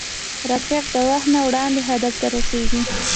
راکټ د وخت نه وړاندې هدف ته رسېږي